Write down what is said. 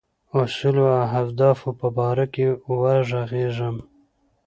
اصولو او اهدافو په باره کې وږغېږم.